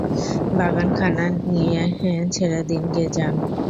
বাগানখানা গিয়ে ছেড়ে দিন গে যান!